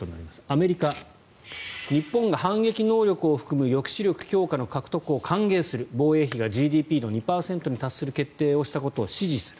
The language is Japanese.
アメリカ、日本が反撃能力を含む抑止力強化の獲得を歓迎する防衛費がＧＤＰの２％に達する決定をしたことを支持する。